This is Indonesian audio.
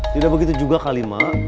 tidak begitu juga kalimah